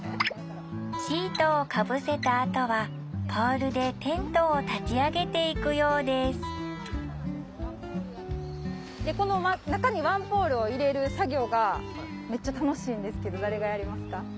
シートをかぶせた後はールでテントを立ち上げていくようですの中にワンポールを入れる作業がっちゃ楽しいんですけど誰がやりますか？